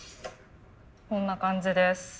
こんな感じです。